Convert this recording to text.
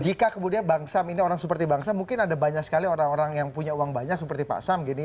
jika kemudian bang sam ini orang seperti bang sam mungkin ada banyak sekali orang orang yang punya uang banyak seperti pak sam gini